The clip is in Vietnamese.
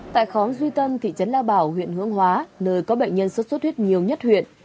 tại khóm duy tân thị trấn lao bảo huyện hướng hóa nơi có bệnh nhân xuất xuất huyết nhiều nhất huyện